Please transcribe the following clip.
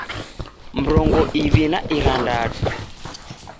Mrongo iw'i na irandadu